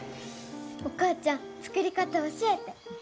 お母ちゃん作り方教えて。